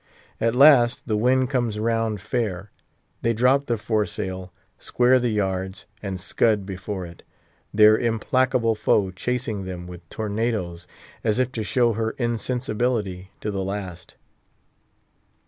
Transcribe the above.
At last, the wind comes round fair; they drop the fore sail; square the yards, and scud before it; their implacable foe chasing them with tornadoes, as if to show her insensibility to the last.